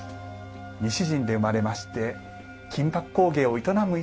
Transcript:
西陣で生まれまして金箔工芸を営む家で育ちました。